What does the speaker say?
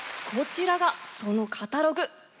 こちらがそのカタログ。